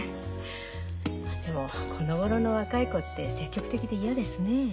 でもこのごろの若い子って積極的で嫌ですねえ。